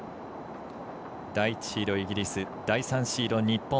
第１シード、イギリス第３シード、日本。